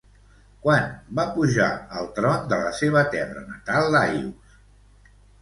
Quan va pujar al tron de la seva terra natal Laios?